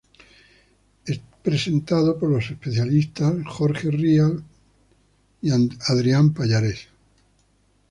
Es presentado por los especialistas Jorge Rial y Adrián Pallares.